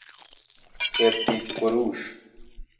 کبریت فروش